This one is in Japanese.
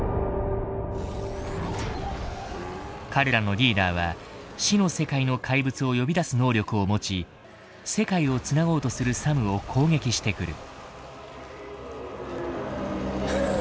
彼らのリーダーは死の世界の怪物を呼び出す能力を持ち世界を繋ごうとするサムを攻撃してくる。